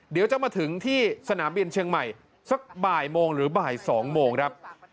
เดี๋ยวจะมาถึงที่สนามบินเชียงใหม่สักบ่ายโมงหรือบ่าย๒โมงครับ